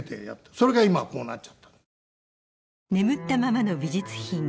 それが今はこうなっちゃったの。